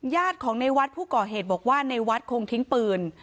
ญาติของในวัดผู้ก่อเหตุบอกว่าในวัดคงทิ้งปืน